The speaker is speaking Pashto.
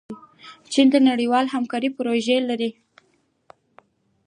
چین د نړیوالې همکارۍ پروژې لري.